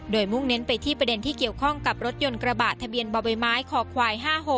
โดยมุ่งเน้นไปที่ประเด็นที่เกี่ยวข้องกับรถยนต์กระบะทะเบียนบ่อใบไม้คอควาย๕๖